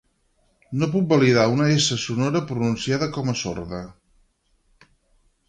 No puc validar una essa sonora pronunciada com a sorda